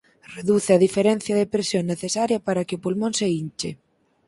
Reduce a diferenza de presión necesaria para que o pulmón se inche.